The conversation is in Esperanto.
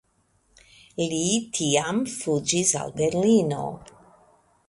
Li tiam fuĝis al Berlino.